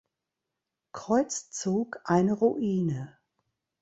Kreuzzug eine Ruine.